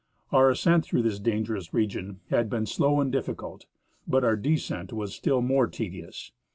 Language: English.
Our ascent through this dangerous region had been slow and difficult, but our descent was still more tedious.